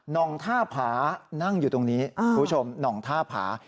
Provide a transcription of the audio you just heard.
องท่าผานั่งอยู่ตรงนี้คุณผู้ชมหน่องท่าผา